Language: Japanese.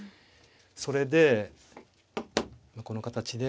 それでこの形で。